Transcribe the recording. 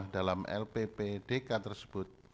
dalam lpp dk tersebut